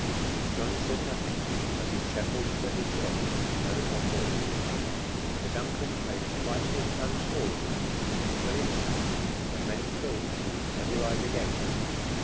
John said nothing, but he trembled for his ship, and those on board. The DUNCAN made a frightful plunge forward, and for an instant the men thought she would never rise again.